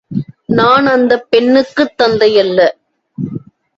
நான் அந்தப் பெண்ணுக்குத் தந்தையல்ல.